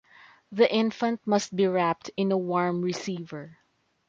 The infant must be wrapped in a warm receiver.